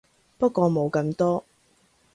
不過冇咁多